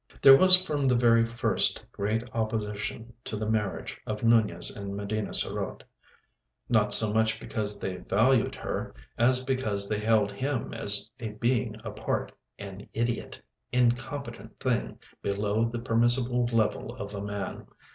There was from the first very great opposition to the marriage of Nunez and Medina sarote; not so much because they valued her as because they held him as a being apart, an idiot, incompetent thing below the permissible level of a man.